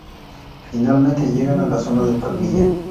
Finalmente llegan a la zona de Palmilla.